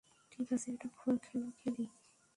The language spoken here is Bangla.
ঠিক আছে, একটা খেলা খেলি।